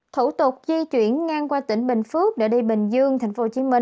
thủ tục di chuyển ngang qua tỉnh bình phước để đi bình dương tp hcm